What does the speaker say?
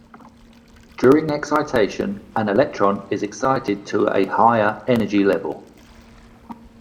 During excitation, an electron is excited to a higher energy level.